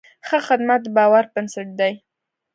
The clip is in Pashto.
ښه خدمت د باور بنسټ دی.